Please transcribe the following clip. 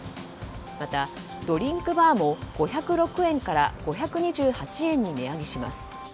また、ドリンクバーも５０６円から５２８円に値上げします。